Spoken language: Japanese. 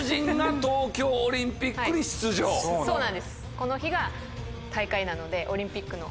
この日が大会なのでオリンピックの。